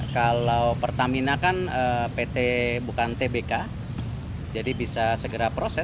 kalau pertamina kan pt bukan tbk jadi bisa segera proses